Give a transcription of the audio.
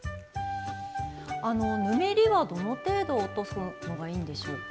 あのぬめりはどの程度落とすのがいいんでしょうか？